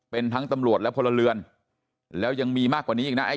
เป็นทั้งตำรวจและพลเรือนแล้วยังมีมากกว่านี้อีกนะ